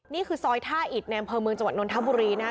นี่คือซอยท่าอิดในอำเภอเมืองจังหวัดนนทบุรีนะคะ